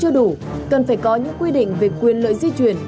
chưa đủ cần phải có những quy định về quyền lợi di chuyển